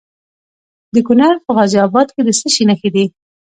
د کونړ په غازي اباد کې د څه شي نښې دي؟